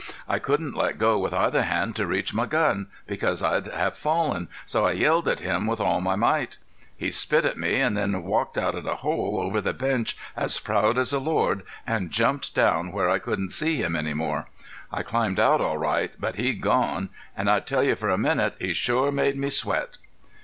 I couldn't let go with either hand to reach my gun, because I'd have fallen, so I yelled at him with all my might. He spit at me an' then walked out of the hole over the bench as proud as a lord an' jumped down where I couldn't see him any more. I climbed out all right but he'd gone. An' I'll tell you for a minute, he shore made me sweat."